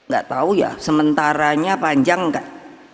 gak tau ya sementaranya panjang kan